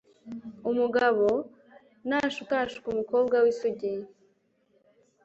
umugabo nashukashuka umukobwa w isugi